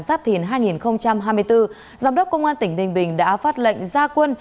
trong thời gian giáp thiền hai nghìn hai mươi bốn giám đốc công an tỉnh ninh bình đã phát lệnh gia quân